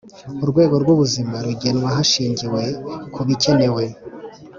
Urwego rw’Ubuzima rugenwa hashingiwe ku bikenewe